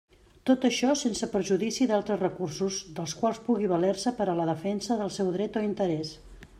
Tot això sense perjudici d'altres recursos dels quals pugui valer-se per a la defensa del seu dret o interès.